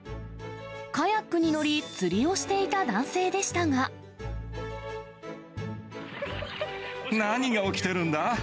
カヤックに乗り、釣りをしていた何が起きてるんだ？